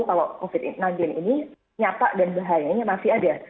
kalau covid sembilan belas ini nyata dan bahayanya masih ada